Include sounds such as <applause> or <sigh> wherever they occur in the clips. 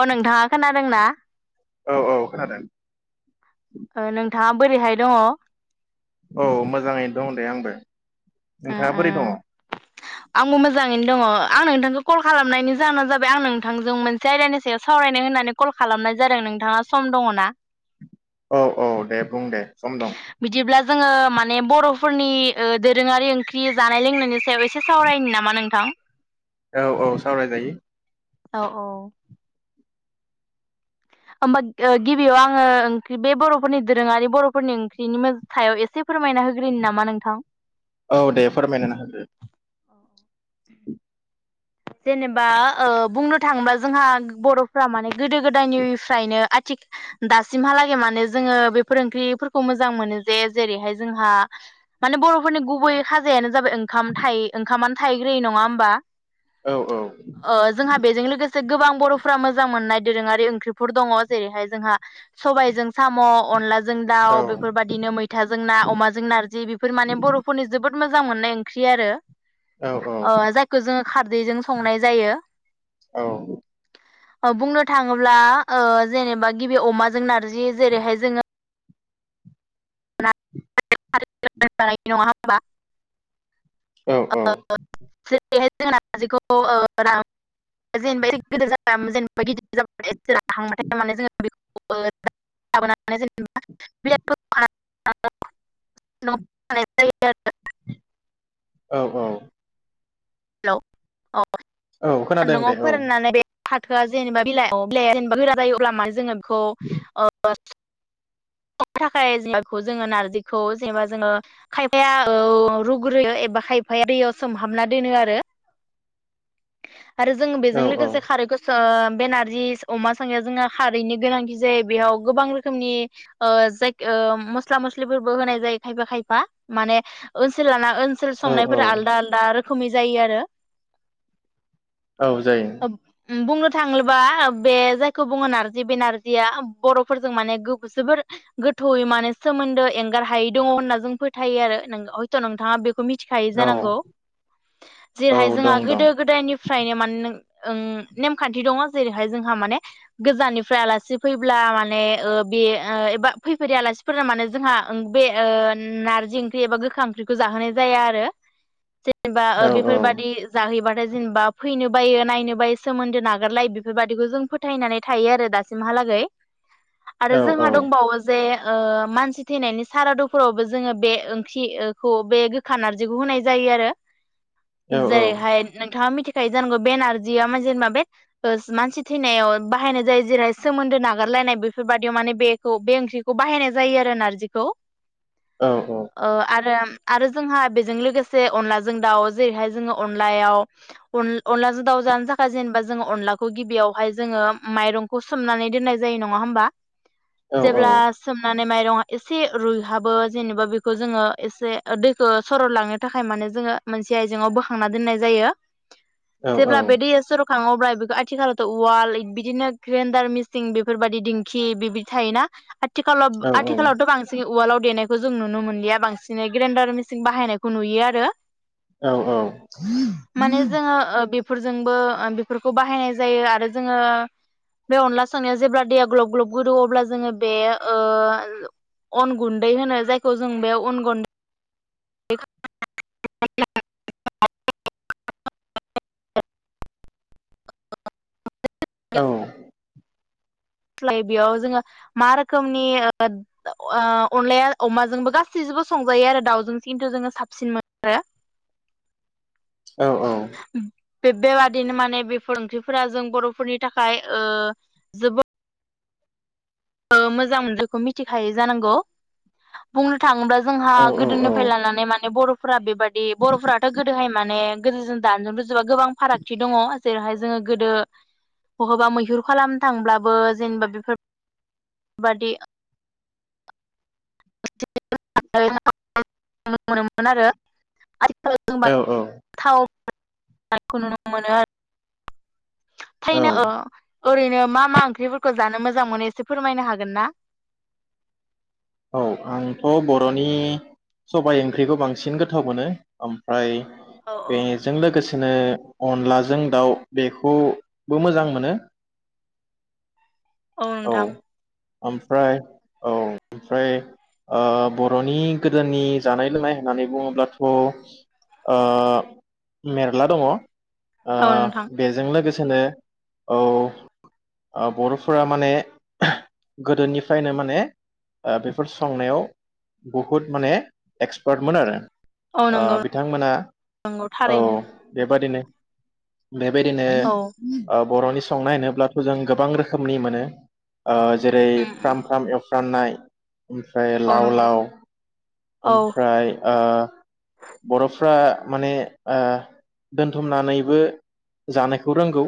अ नोंथाङा खोनादोंना? औ औ खोनादों थाङा बोरैहाय दङ? औ मोजाङैनो दं दे आंबो। उम नोंथाङा बोरै दङ? उम आंबो मोजाङैनो दङ आं नोंथांखौ कल खालामनायनि जाहोना जाबाय आं नोंथांजों मोनसे आयदानि सायाव सावरायनो होननानै कल खालामनाय जादों नोंथाङा सम दङना? औ औ दे बुं दे सम दं। बिदिब्ला जोङो माने बर'फोरनि ओ दोरोङारि ओंख्रि जानाय लोंनायनि सायाव एसे सावरायनि नामा नोंथां? औ औ सावरायजायो। औ औ। होमबा गिबियाव आङो ओंख्रि बे बर'फोरनि दोरोङारि बर'फोरनि ओंख्रिनि मो-सायाव एसे फोरमायना होग्रोनि नामा नोंथां? औ दे फोरमायलायना होदो। औ <inaudible> जेनेबा ओ बुंनो थाङोबा जोंहा बर'फ्रा माने गोदो गोदायनिफ्रायनो आथिख दासिमहालागै माने जोङो बेफोर ओंख्रिफोरखौ मोजां मोनो जे जेरैहाय जोंहा माने बर'फोरनि गुबै खाजायानो जाबाय ओंखाम थाइ ओंखामानो थाइग्रोयो नङा होमबा? औ औ ओ जोंहा बेजों लोगोसे गोबां बर'फोरा मोजां मोननाय दोरोङारि ओंख्रिफोर दङ जेरैहाय जोंहा सबायजों साम' अनलाजों जों औ दाउ बेफोरबायदिनो मैथाजों ना अमाजों नारजि बेफोर माने बर'फोरनि जोबोद मोजां मोननाय ओंख्रि आरो। औ अह जायखौ जोङो बिदैजों संनाय जायो। औ बुंनो थाङोब्ला ओ जेनेबा गिबि अमाजों नारजि जेरैहाय जोङो नङा होमबा औ औ बेहाय जोंना नारजिखौ ओ रा जेनेबा ऐ गोदोर जा जेनेबा गिदिर जाबोयो एसे हाया बाथाय जोङो बेखौ ला जों <unintelligible> <unintelligible> <unintelligible> औ औ हेल औ औ खोनादों दे सान्दुंआव औ फोराननानै बे फाथोआ जेनेबा बिलाइ बिलाइआ जेनेबा गोरा जायो अब्ला मानो जोङो खौ ओ थाखाय जेनखौ जोङो नारजिखौ जेनेबा जोङो खायफाया ओ रुग्रोयो एबा खायफाया दैयाव सोमहाबना दोनो आरो आरो जोंङो औ बेजों लोगोसे खारैफोर ओ बे नारजि अमा संनाया जोंहा खारैनो गोनांथि जायो बेयाव गोबां रोखोमनि ओ जायि ओ मस्ला मस्लिफोरबो होनाय जायो खायफा खायफा माने ओनसोल लाना ओनसोल औ संनायफोरा आलदा आलदा रोखोमै जायो आरो औ जायो बुंनो थाङोबा बे जायखौ बुङो नारजि बे नारजिया बरफोरजों माने गोख जोबोर गोथौवै माने सोमोन्दो एंगार हायै दङ होनना जों फोथायो आरो हयथ' नोंथाङा बे खौ मिथिखाय औ जानांगौ औ जेरैहाय जोंहा दं दं गोदो गोदायनिफ्रायनो माने ओं नेमखान्थि दङ जेरैहाय जोंहा माने गोजाननिफ्राय आलासि फैब्ला माने बे बा फैफेरै आलासिफोरना मानोे जोंहा बे नारजि ओंख्रि एबा गोखा ओंख्रिखौ जाहोनाय जाया आरो एबा औ औ बेफोरबायदि जाहैबा आरो जेनेबा फैनो बायो नायनो बायो सोमोन्दो नागारलायो बेफोरबायदिखौ जों फोथायनानै थायो आरो दासिमहालागै आरो औ औ जोंहा दंबावो बे मानसि थैनायनि सारादुफोरावबो जोङो बे ओंख्रिखौ बे गोखा नारजिखौ होनाय जायो आरो औ जेरै हाय नोंथांङा मिथिखायो जानांगौ बे नारजिया जेनेबा बे मानसि थैनायाव बाहायनाय जायो जेरैहाय सोमोन्दो नागारलायनाय बेफोरबादियाव माने बेखौ बे बेखौ बाहायनाय जायो आरो नारजिखौ औ ओ आरो आरो जोंहा बेजों लोगोसे अनलाजों दाउ जेरैहाय जोंङो अनलायाव अनलाजों दाउ जानो थाखाय जेनेबा जोंङो अनलाखौ गिबियावहाय जोंङो माइरंखौ सोमनानै दोननाय जायो नंङा होमबा औ ब्ला सोमना माइरं इसे रुहाबो जेनेबा बेखौ जों इसे दैखौ सरलांनो‌ थाखाय मोनसे आयजें आव बोखांना दोननाय जायो। औ जेब्ला बे औ दैयासरब खाङोब्ला बेखौ आथिखालावथ उवाल बिदिनो ग्रेन्डार मिसिं बेफोरबायदि दिंखि बेबायदि थायोना आ थिखालाव आथिखालावथ बांसिन उवालाव देनायखौ जों नुनो मोनलिया बांसिनै ग्रेन्डार मेचिन बाहायनायखौ नुयो आरो औ औ माने जोङो ओ बेफोरजोंबो बेफोरखौ बाहायनाय जायो आरो जोंङो बे अनला संनायाव जेब्ला दैया ग्लब ग्लब गोदौयो अब्ला जोंङो बे ओ अन गुन्दै होनो जायखौ जों बे अन गुन्दै <unintelligible> औ लाइबेयाव जोंङो मा रोखोमनि अनलाया अमाजोंबो गासैजोंबो संजायो आरो दाउजों खिन्थु जोङो साबसिन मोनो। औ औ बे-बेबादिनो माने बेफोर ओंख्रिफोरा जों बरफोरनि थाखाय ओ जोबोद मोजां मोन बेखौ मिथिखायो जानांगौ बुंनो थांङोबा जोंहा गोदोनिफ्राय लानानै माने बर' फ्रा बेबादि बरफोराथ गोदोहाय माने गोदोजों दानजजों रुजुबोबा गोबां फारागथि दङ जेरैहाय जोंङो गोदो बहाबा मैहुर खालामनो थांब्लाबो जेनेबा बेफोर बादि <unintelligible> नुनो मोनोमोन आरो <unintelligible> औ <unintelligible> नुनो मोनो आरो औ फायनो औ ओ ओरैनो मा मा ओंख्रिफोरखौ जानो मोजां मोनो एसे फोरमायनो हागोन ना? औ आंथ बर'नि सबाय ओंख्रिखौ बांसिन गोथाव मोनो ओमफ्राय औ औ बेजों लोगोसे बिनो अनलाजों दाउ बेखौबो मोजां मोनो। औ नोंथां ओमफ्राय औ ओमफ्राय ओ बर'नि गोदोनि जानाय लोंनाय होननानै बुङोब्लाथ मेरला दङ। ओ औ नोंथां। बेजों लोगोसे खोनो औ बर'फोरा माने गोदोनिफ्रायनो माने ओ बेफोर संनायाव बहुद माने एक्सपार्टमोन आरो। औ ओ नंगौ बिथांमोना नंगौ औ थारैनो बेबादिनो औ बेबायदिनो बर'नि संनाय होनोबथ जों गोबां रोखोमनि मोनो। <inaudible> ओ जेरै फ्राम फ्राम एवफ्रामनाय ओमफ्राय औ लाव नंगौ लाव औ ओमफ्राय ओ बर'फ्रा माने ओ दोनथुमनानैबो जानायखौ रोंगौ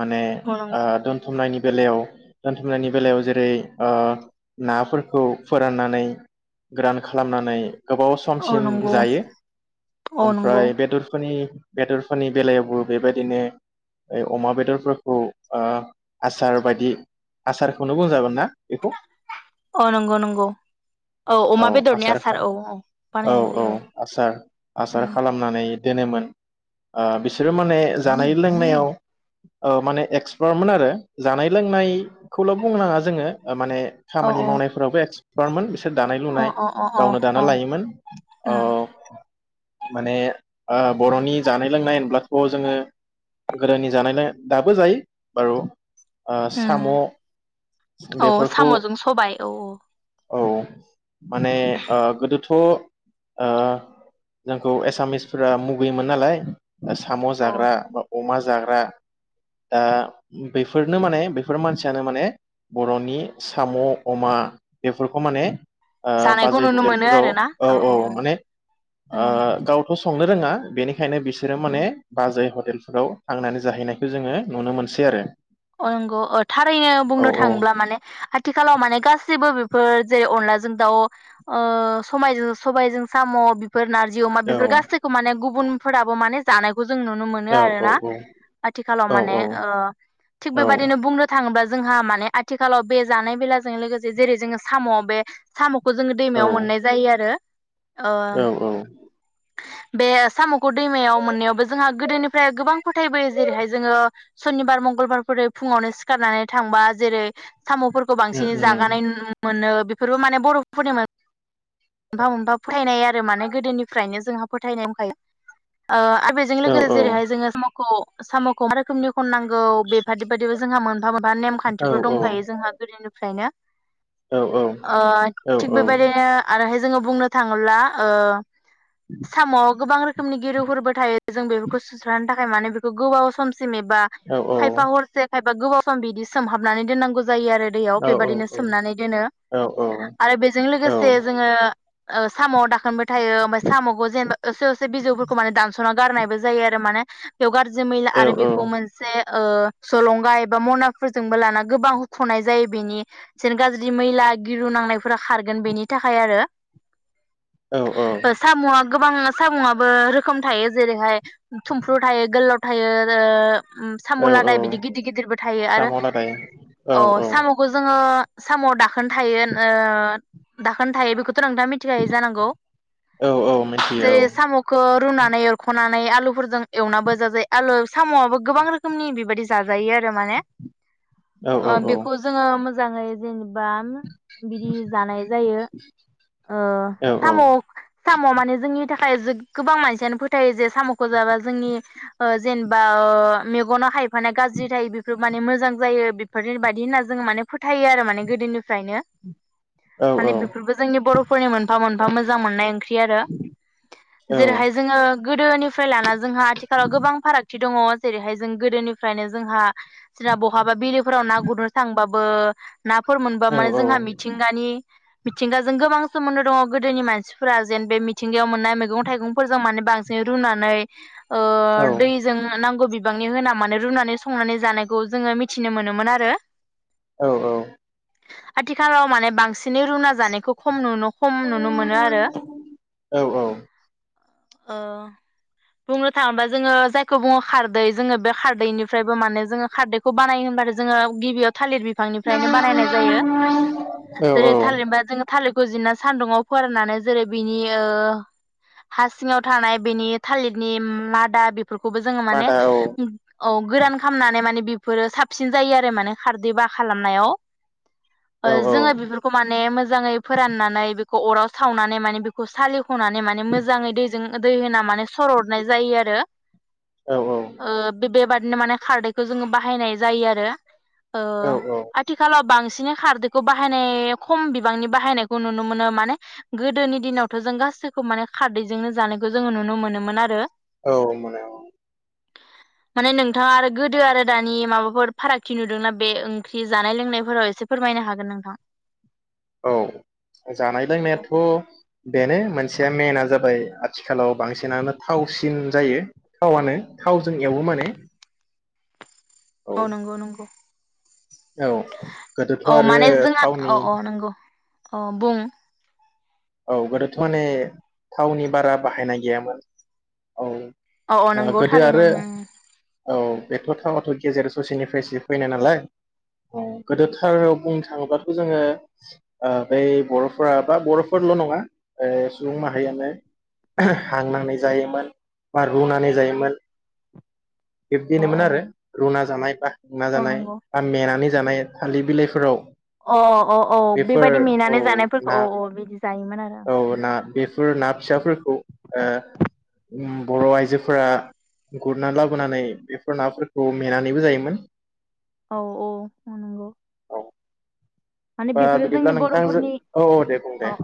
माने औ ओ नंगौ दोनथुमनायनि बेलायाव दोनथुमनायनि बेलायाव जेरै ओ नाफोरखौ फोराननानै गोरान खालामनानै गोबाव औ समसिम नंगौ जायो औ नंगौ ओमफ्राय बेदरफोरनि बेदरफोरनि बेलायावबो बेबायदिनो ओ अमा बेदरफोरखौ आ आसार बायदि। आसारखौनो बुंजागोन ना बेखौ औ नंगौ नंगौ औ अमा बेदरनि आसार औ औ औ बानायनाय औ जायो आसार औ आसार खालामनानै दोनोमोन ओ बिसोरो माने जानाय लोंनायाव माने ओ एक्सपार्टमोन आरो जानाय लोंनाय खौल बुंनोनाङा जोङो माने औ खामानि औ मावनायफोरावबो एखस बारमान बि दानाय अ लुनाय अ अ गावनो दाना अ लायोमोन, ओ अ माने ओ बर'नि जानाय लोंनाय होनब्लाथ' जोङो गोदोनि जानाय लों दाबो जायो बारु ओ उम साम' औ बेफोरखौ साम' जों सबाय औ औ औ माने ओ गोदोथ' ओ जोंखौ एसामिसफोरा मुगैयोमोन नालाय साम' औ जाग्रा बा अमा जाग्रा दा बैफोरनो माने फोर मानसियानो माने बर'नि साम' अमा बेफोरखौ माने ओ जानायखौ बाजै नुनो मोनो हटेलफोराव आरो ना औ औ माने ओ गावथ' संनो रोङा बेनि खायनो बिसोरो उम माने बाजै हटे टेलफोराव थांनानै जाहैनायखौ जोङो नुनो मोनसै आरो अगौ। ओ थारैनो औ बुंनो औ थाङोब्ला माने आथिखालाव माने गासिबो फोर जेरै अनलाजों दाउ ओ सबायजों सबायजों साम' बि फोर नारजि अमा औ बेफोर गासैखौ माने गुबुन फोराबो माने जानाय खौ जों नुनो मोनो औ औ आरोना आथिखालाव औ माने ओ थिग औ बेबायदिनो बुंनो थां बा जोंहा माने आथिखालाव बे जानाय बेलाजों लोगोसे जेरै जोङो साम' बे साम' खौ जोङो दैमायाव मोननाय जायो आरो ओ औ औ बे साम'खौ दैमायाव मोननायावबो जोंहा गोदोनिफ्राय गोबां फोथायबोयो जेरैहाय जोङो सनिबार मंगलबार फोरै फुङावनो सिखारनानै थांबा जेरै साम'फोरखौ उम बांसिनै उम जागानाय नुनो मोनो बेफोरबो माने बर'फोरनि मोनफा मोनफा फोथायनाय आरो माने गोदोनिफ्रायनो जोंहा फोथायनाय दंखायो ओ बेजों औ लोगोसे औ जेरैहाय जोङो साम' खौ साम'खौ मा रोखोमनि खननांगौ बे बादि बादिबो जोंहा मोन मोनफा मोनफा औ नेमखान्थिफोर औ दंखायो जोंहा गोदोनिफ्रायनो। औ ओ थिग बेबायदिनो आरोहाय जोङो बुंनो थाङोब्ला ओ साम'आव गोबां रोखोमनि गिरुफोरबो थायो जों बेफोरखौ सुस्रांनो थाखाय खाय माने बेखौ गोबाव सम सिम एबा खाय फा हरसे खायबा गोबाव सम बिदि सोमहाबनानै दोननांगौ जायो आरो दैयाव बेबायदिनो सोमनानै दोनो आरो बेजों लोगोसे जोङो ओ साम'आव दाखोनबो थायो ओमफाय साम'खौ जेनबा एसे एसे बिजौफोरखौ माने दानसना गारमायाबो जायो आरो माने बेयाव गार जि मैला आरो बिखौ मोनसे ओ जलंगा एबा मनाफोरजोंबो लाना गोबा हुखनाय जायो बेनि जेन गाज्रि मैला गिहु नांनायफोरा खारगोन बेनि थाखाय आरो। औ औ। साम'आ गोबां सामुआबो रोखोम थायो जेरैहाय थुमफ्रु थायो गोलाव थायो ओ उम औ सामु औ लादाय बि गिदिर गिदिरबो थायो आरो साम' लादाय औ अ औ सामुखौ जोंङो साम' दाखोन थायो ओ दाखोन थायो बेखौ नोंथांङा मिथिखायो जानांगौ औ औ मिथियो जेरै साम'खो रुनानै एरखनानै आलुफोरजों एवनाबो जाजायो आलु साम'आबो गोबां रोखोमनि बेबायदि जायो आरो माने औ औ ओ बेखौ जोंङो मो मोजांङै जेने बा बिदि जानाय जायो ओ औ साम' साम' माने जोंनि नि थाखाय जो गोबां मानसियानो फोथायो जे साम'खौ जाबा जोंनि ओ जेनेबा ओ मेगनाव हाय माने गाज्रि जायो बेफोर माने मोजां जायो बेफोरबायदि होनना जोंङो माने फोथायो आरो माने गोदोनिफ्रायनो औ औ माने बेफोरबो जोंनि बर फोरनि मोनफा मोनफा मोजां मोननाय ओंख्रि आरो जेरैहाय जोंङो गोदोनिफ्राय लाना जोंहा आथिखालाव गोबां फारागथि दंङ जेरैहाय जों गोदोनि फ्रायनो जोंहा जा बहाबा बिलोफोराव ना गुरनो थांबाबो नाफोर मोनबा माने जोंहा मिथिंगानि मिथिंगाजों गोबां सोमोन्दो दंङ गोदोनि मानसिफोरा जेन बे मिथिंगायाव मोननाय मैगं थाइगंफोरजों माने बांसिन रुनानै ओ दैजों नांगौ बि बिबांनि होना माने रु रुनानै संनानै जानायखौ जोंङो मिथिनो मोनोमोन आरो औ औ आथिखालाव माने बांसिनै रुना जानायखौ खम नुन खम नुनो मोनो आरो औ ओ बुंनो थांङोबा जोंङो जायखौ बुङो खारदै जोंङो बे खार दैनिफ्रायबो माने जोंङो खारदैखौ बानायो होनबा आरो जोंङो गिबियाव थालिर बिफांनिफ्रायनो बानायनाय जायो जेरै थालिर बा जोंङो थालिर जिनना सान्दुंआव फोराननानै जेरै बिनि ओ हा सिङाव थानाय बिनि थालिरनि मादा फोरफोरखौबो जोङो माने मादा औ औ गोरान खालामनानै माने बेफोरो साबसिन जायो आरो माने खारदै बा खालामनायाव ओ औ जोङो बेफोरखौ माने मोजाङै फोराननानै खौ अराव सावनानै माने बेखौ सालि खनानै माने मोजाङै दै जों दै होना माने सरतनाय जायो आरो औ ओ बेबादिनो माने खारदैखौ जोङो बाहायनाय जायो आरो ओ औ आथिखालाव बांसि दिनो खारदैखौ बाहायनाय खम बिबांनि बाहायनायखौ नुनो मोनो माने गोदोनि दिनावथ जों गासैखौ माने खारदैजोंनो जानायखौ जोङो नुनो मोनोमोन आरो औ मोनो औ माने नोंथाङा आरो गोदो आरो दानि माबाफोर फारागथि नुदोंना बे ओंख्रि जानाय लोंनायफोराव एसे फोरमायनो हागोन नोंथां। औ जानाय लोंनायाथ बेनो मोनसे मेेनना जाबाय आथिखालाव बांसिनानो थावसिन जायो थावनो थावजों एवो माने औ नंगौ नंगौ औ गोदोथ' औ आरो थावनि अ बुं औ गोदोथ' माने थावनि बारा बाहायनाय गैयामोन औ। अ अ नंगौ गोदो थारैनो आरो ओं ओं। औ बेथ' थाङाथ' गेजेर ससेनिफ्रायसो फैनाय नालाय औ गोदोथार बुंनो थाङोबाथ' जोङो बै बरफोरा बा बर फोरल नङा सुबुं माहारियानो हांनानै जायोमोन बा रुनानै जायोमोन औ बिब्दिनोमोन औ आरो रुना जानायबा मा औ जानाय नंगौ ब मेनानै जा जानाय थालिर बिलाइफोराव अ अ औ बेफोर बेबायदि औ मेनानै ना जानायफोरखौ अ औ जायोमोन आरो औ ना बेफोर ना फिसाफोरखौ ओ उम बर' आइजोफोरा गुरना लाबोनानै बेफोर नाफोरखौ मेनानैबो जायोमोन औ औ उम नंगौ। <inaudible> माने बा बेफोरो जोंनि बिदिब्ला नोंथांजो बर'फोरनि औ औ दे बुं दे अ